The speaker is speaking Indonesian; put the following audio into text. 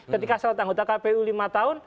ketika salah anggota kpu lima tahun